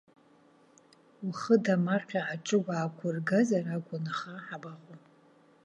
Ухы дамаҟьа аҿыгә аақәыргазар акәын, аха ҳабаҟоу!